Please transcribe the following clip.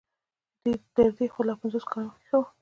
تر دې خو لا پنځوس کاله مخکې ښه وو.